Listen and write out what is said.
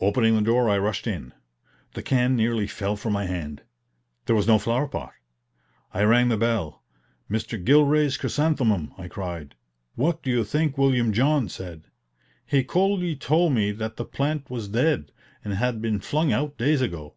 Opening the door I rushed in. The can nearly fell from my hand. There was no flower pot! I rang the bell. "Mr. Gilray's chrysanthemum!" I cried. What do you think William John said? He coolly told me that the plant was dead, and had been flung out days ago.